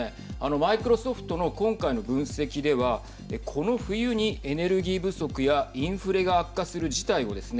マイクロソフトの今回の分析ではこの冬にエネルギー不足やインフレが悪化する事態をですね